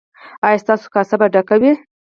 ایا ستاسو کاسه به ډکه وي؟